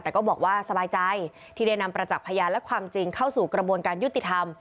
แต่ก็บอกว่าสบายใจที่ได้นำประจักษ์พยานและความจริงเข้าสู่กระบวนการยุติธรรม